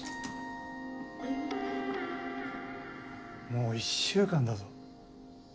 もう１週間だぞ。